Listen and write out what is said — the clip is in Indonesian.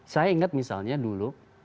saya ingat misalnya dulu